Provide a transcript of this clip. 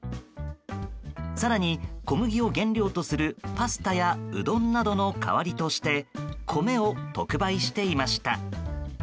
更に、小麦を原料とするパスタやうどんなどの代わりとして米を特売していました。